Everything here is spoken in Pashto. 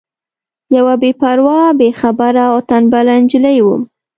یوه بې پروا بې خبره او تنبله نجلۍ وم.